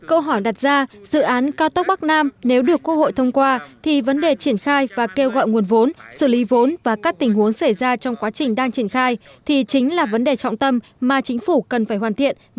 câu hỏi đặt ra dự án cao tốc bắc nam nếu được đưa vào triển khai thì chính là vấn đề trọng tâm mà chính phủ cần phải hoàn thiện